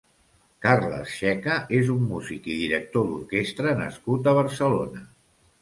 Carles Checa és un músic i director d'orquestra nascut a Barcelona.